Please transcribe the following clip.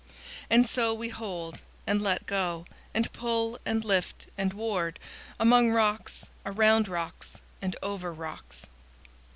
And so we hold, and let go, and pull, and lift, and ward among rocks, around rocks, and over rocks.